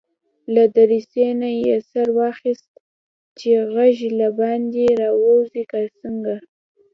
له دريڅې نه يې سر واېست چې غږ له باندي راځي که څنګه.